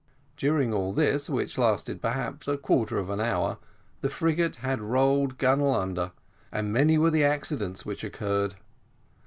During all this, which lasted perhaps a quarter of an hour, the frigate had rolled gunwale under, and many were the accidents which occurred.